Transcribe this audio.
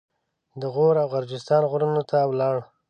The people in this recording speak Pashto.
د غور او غرجستان غرونو ته ولاړ.